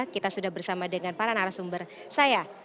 kita sudah bersama dengan para narasumber saya